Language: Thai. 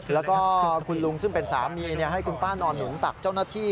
แล้วก็คุณลุงซึ่งเป็นสามีให้คุณป้านอนหนุนตักเจ้าหน้าที่